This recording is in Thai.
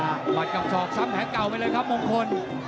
หมัดกับศอกซ้ำแผลเก่าไปเลยครับมงคล